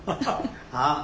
ああ。